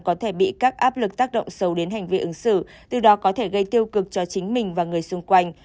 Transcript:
có thể bị các áp lực tác động sâu đến hành vi ứng xử từ đó có thể gây tiêu cực cho chính mình và người xung quanh